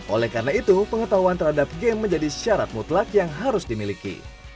oleh karena itu pengetahuan terhadap game menjadi syarat mutlak yang harus dimiliki